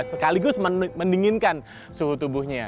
sekaligus mendinginkan suhu tubuhnya